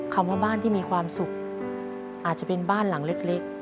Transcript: คำว่าบ้านที่มีความสุขอาจจะเป็นบ้านหลังเล็ก